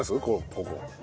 ここ。